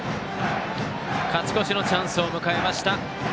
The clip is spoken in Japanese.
勝ち越しのチャンスを迎えました。